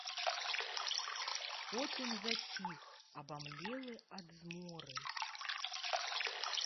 Потым заціх, абамлелы ад зморы.